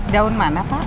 daun mana pak